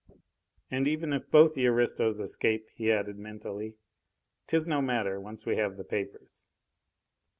And even if both the aristos escape," he added mentally, "'tis no matter, once we have the papers."